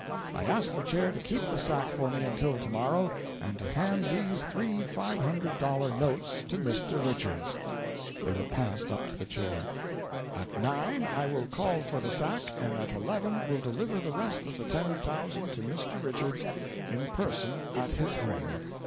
I ask the Chair to keep the sack for me until to morrow, and to hand these three five hundred dollar notes to Mr. Richards." They were passed up to the Chair. "At nine I will call for the sack, and at eleven will deliver the rest of the ten thousand to Mr. Richards in person at his home.